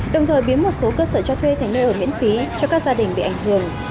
đồng thời biến một số cơ sở cho thuê thành nơi ở miễn phí cho các gia đình bị ảnh hưởng